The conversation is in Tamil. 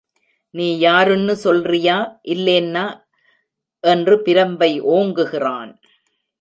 நீ யாருன்னு சொல்றியா இல்லேன்னா என்று பிரம்பை ஓங்குகிறான்.